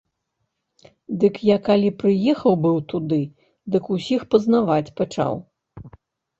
Дык я калі прыехаў быў туды, дык усіх пазнаваць пачаў.